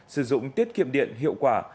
sử dụng tiết kiệm điện hiệu quả